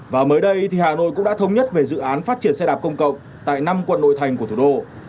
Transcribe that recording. và mới đây hà nội cũng đã thống nhất về dự án phát triển xe đạp công cộng tại năm quận nội thành của thủ đô